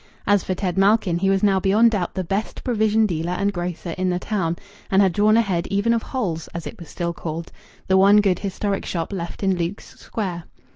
As for Ted Malkin, he was now beyond doubt the "best" provision dealer and grocer in the town, and had drawn ahead even of "Holl's" (as it was still called), the one good historic shop left in Luke's Square.